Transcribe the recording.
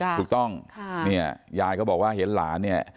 ถูกต้องเนี่ยยายก็บอกว่าเห็นหลานเนี่ย